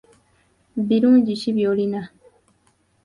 Birungi ki by'olina?